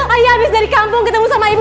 ayah abis dari kampung ketemu sama ibu